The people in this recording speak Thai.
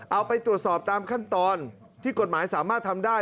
เอาไปตรวจสอบตามขั้นตอนที่กฎหมายสามารถทำได้